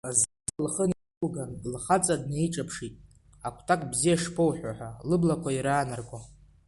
Заира лхы неиҟәылган, лхаҵа днеиҿаԥшит, агәҭак бзиа шԥоуҳәо ҳәа лыблақәа ираанарго.